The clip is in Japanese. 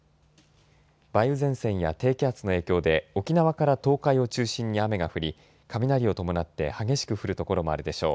梅雨前線や低気圧の影響で沖縄から東海を中心に雨が降り雷を伴って激しく降る所もあるでしょう。